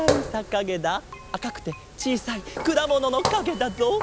あかくてちいさいくだもののかげだぞ！